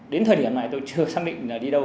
đến thời điểm này tôi chưa xác định là đi đâu